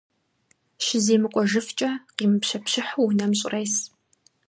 - ЩыземыкӀуэжыфкӀэ, къимыпщэпщыхьу унэм щӀрес!